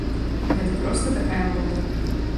Гэта проста такая мода.